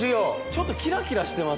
ちょっとキラキラしてません？